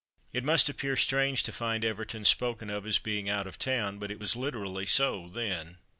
It must appear strange to find Everton spoken of as being "out of town," but it was literally so then.